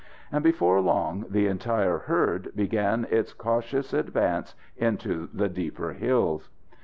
And before long the entire herd began its cautious advance into the deeper hills.